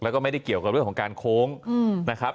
แล้วก็ไม่ได้เกี่ยวกับเรื่องของการโค้งนะครับ